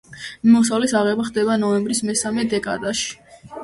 მოსავლის აღება ხდება ნოემბრის მესამე დეკადაში.